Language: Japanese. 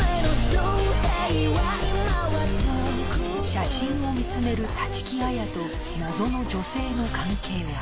写真を見つめる立木彩と謎の女性の関係は？